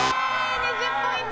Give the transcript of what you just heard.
２０ポイント